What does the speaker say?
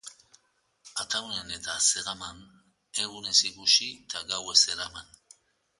Ataunen eta Zegaman, egunez ikusi eta gauez eraman.